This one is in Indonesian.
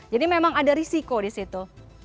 jadi memang ada risiko disitu